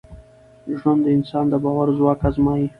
ژوند د انسان د باور ځواک ازمېيي.